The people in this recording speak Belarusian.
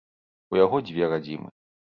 У яго дзве радзімы.